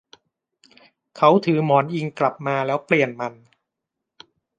เขาถือหมอนอิงกลับมาแล้วเปลี่ยนมัน